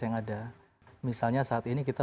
yang ada misalnya saat ini kita